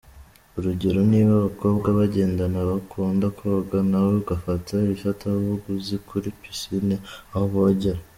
Urugero niba abakobwa bagendana bakunda koga, nawe ugafata ifatabuguzi kuri piscine aho bogera.